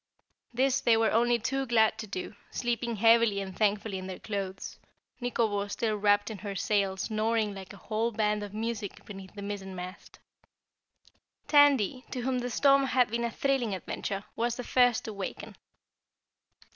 This they were only too glad to do, sleeping heavily and thankfully in their clothes, Nikobo still wrapped in her sail snoring like a whole band of music beneath the mizzenmast. Tandy, to whom the storm had been a thrilling adventure, was the first to waken.